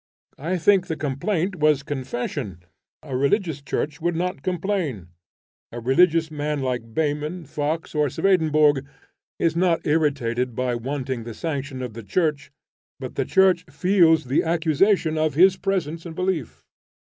I think the complaint was confession: a religious church would not complain. A religious man like Behmen, Fox, or Swedenborg is not irritated by wanting the sanction of the Church, but the Church feels the accusation of his presence and belief.